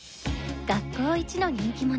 学校イチの人気者